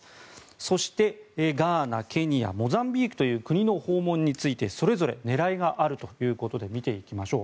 そして、ガーナ、ケニアモザンビークという国の訪問についてそれぞれ狙いがあるということで見ていきましょう。